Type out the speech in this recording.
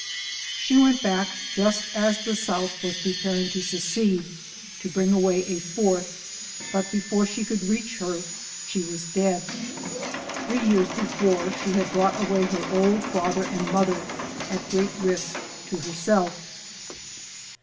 She went back just as the South was preparing to secede, to bring away a fourth, but before she could reach her, she was dead. Three years before, she had brought away her old father and mother, at great risk to herself.